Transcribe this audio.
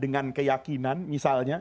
kebanyakan keyakinan misalnya